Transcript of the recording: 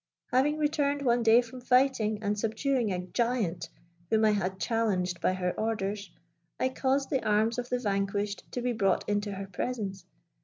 Having returned one day from fighting and subduing a giant whom I had challenged by her orders, I caused the arms of the vanquished to be brought into her presence.